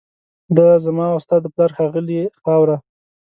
دا زما او ستا د پلار ښاغلې خاوره